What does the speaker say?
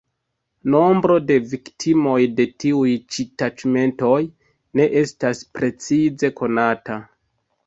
Nombro de viktimoj de tiuj ĉi taĉmentoj ne estas precize konata.